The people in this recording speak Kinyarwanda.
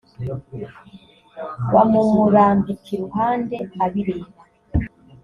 bamumurambika iruhande abireba